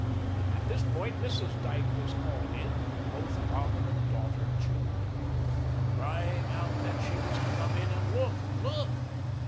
At this point Mrs. Dyke was called in, both father and daughter, children both, crying out that she was to come in and look, look.